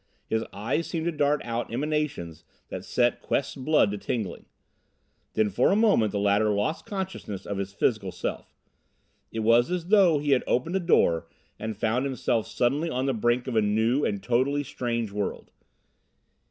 His eyes seemed to dart out emanations that set Quest's blood to tingling. Then for a moment the latter lost consciousness of his physical self. It was as though he had opened a door and found himself suddenly on the brink of a new and totally strange world.